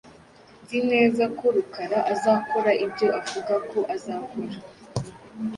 Nzi neza ko Rukara azakora ibyo avuga ko azakora.